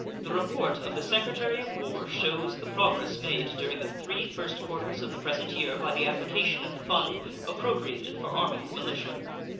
The report of the Secretary of War shews the progress made during the three first quarters of the present year by the application of the fund appropriated for arming the militia.